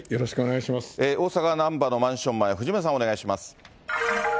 大阪・灘波のマンション前、藤村さん、お願いします。